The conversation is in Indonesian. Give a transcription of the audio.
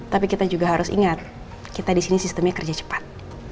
tapi kita juga harus ingat kita di sini sistemnya kerja cepat